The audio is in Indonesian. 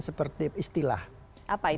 seperti istilah apa itu